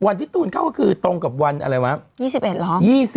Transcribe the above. วันที่ตูลเข้าก็คือตรงกับวันอะไรมาก